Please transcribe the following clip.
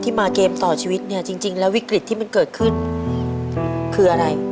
มาเกมต่อชีวิตเนี่ยจริงแล้ววิกฤตที่มันเกิดขึ้นคืออะไร